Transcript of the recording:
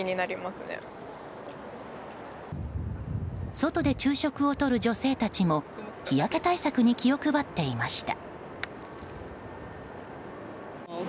外で昼食をとる女性たちも日焼け対策に気を配っていました。